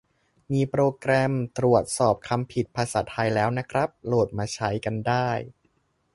มีโปรแกรมตรวจสอบคำผิดภาษาไทยแล้วนะครับ โหลดมาใช้กันได้